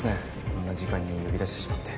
こんな時間に呼び出してしまって